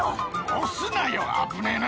押すなよ危ねぇな！